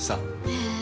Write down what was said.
へえ。